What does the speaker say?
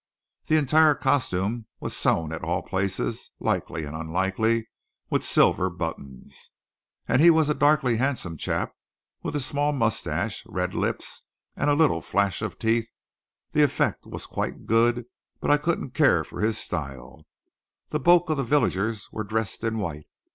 The entire costume was sewn at all places, likely and unlikely, with silver buttons. As he was a darkly handsome chap, with a small moustache, red lips and a little flash of teeth, the effect was quite good, but I couldn't care for his style. The bulk of the villagers were dressed in white.